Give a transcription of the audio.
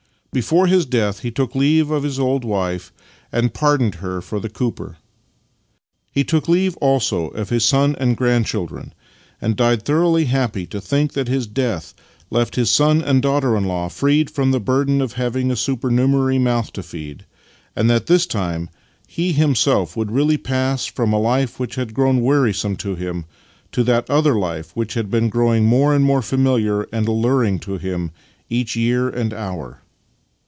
Before his death he took leave of his old wife, and pardoned her for the cooper. He took leave also of his son and grandchildren, and died thoroughly happy to think that his death left his son and daughter in law freed from the burden of having a supernumer ary mouth to feed, and that this time he himself would really pass from a life which had grown wearisome to him to that other life which had been growing more and more familiar and alluring to him each year and hour.